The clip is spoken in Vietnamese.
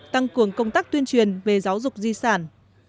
tăng cường công tác tuyên truyền về giáo dục di sản